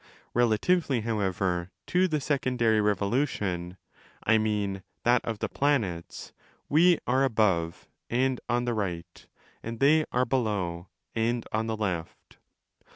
Relatively, however, to the secondary revolution, I mean that of the planets, we are above and on the right and they are below and on the left.